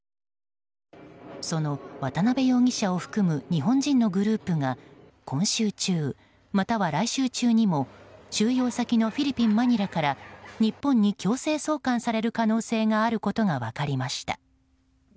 その渡辺容疑者を含む日本人のグループが今週中、または来週中にも収容中のフィリピン・マニラから日本に強制送還される可能性があることが分かりました。